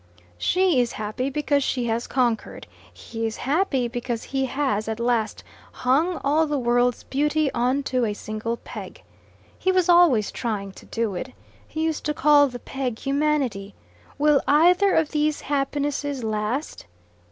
"She is happy because she has conquered; he is happy because he has at last hung all the world's beauty on to a single peg. He was always trying to do it. He used to call the peg humanity. Will either of these happinesses last?